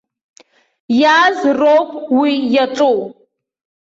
Иааз роуп уи иаҿу.